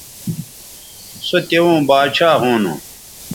سو توؤں باچھا ھونو